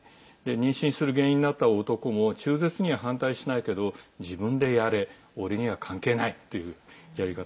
妊娠する原因になった男も中絶には反対しないけど自分でやれ俺には関係ないというやり方。